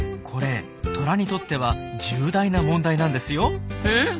これトラにとっては重大な問題なんですよ。え？